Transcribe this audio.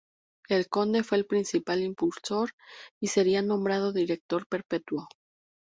El conde fue el principal impulsor y sería nombrado director perpetuo.